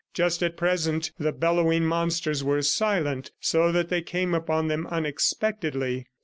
Just at present, the bellowing monsters were silent, so that they came upon them unexpectedly.